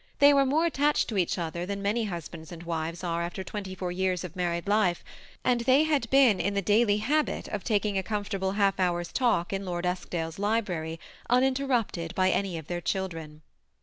They were more attached to each other than many husbands and wives are after twenty four years of married life ; and they had been in the daily habit of taking a comfortable half hour's talk in Lord Eskdale's library, uninterrupted by any of their children.